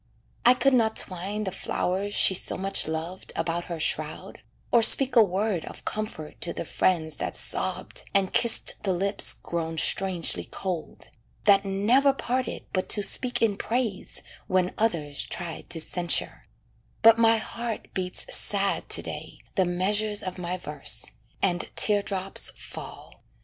I could not twine The flowers she so much loved about her shroud, Or speak a word of comfort to the friends That sobbed, and kissed the lips grown strangely cold, That never parted but to speak in praise When others tried to censure; but my heart Beats sad to day the measures of my verse, And tear drops fall.